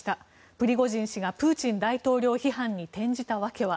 プリゴジン氏がプーチン大統領批判に転じた訳は？